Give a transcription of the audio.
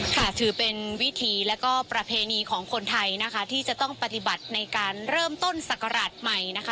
ถือเป็นวิธีแล้วก็ประเพณีของคนไทยนะคะที่จะต้องปฏิบัติในการเริ่มต้นศักราชใหม่นะคะ